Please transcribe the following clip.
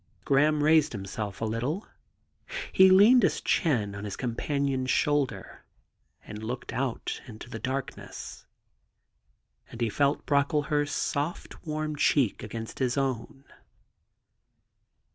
Graham raised himself a little. He leaned his chin on his companion's shoulder and looked out into the darkness. And he felt Brocklehurst's soft, warm cheek against his own.